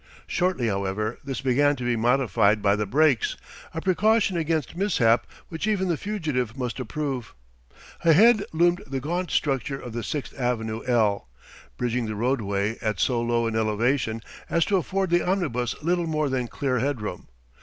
Shortly, however, this began to be modified by the brakes, a precaution against mishap which even the fugitive must approve. Ahead loomed the gaunt structure of the Sixth Avenue "L," bridging the roadway at so low an elevation as to afford the omnibus little more than clear headroom.